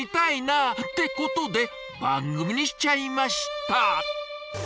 ってことで番組にしちゃいました！